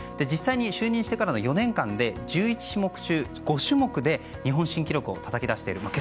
実際に就任してからの４年間で１１種目中５種目で日本新記録をたたき出している。